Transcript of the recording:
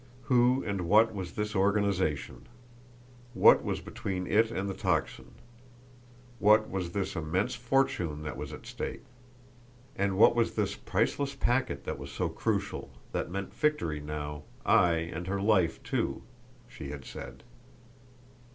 Who and what was this organisation? What was between it and the Tocsin? What was this immense fortune that was at stake? And what was this priceless packet that was so crucial, that meant victory now, ay, and her life, too, she had said?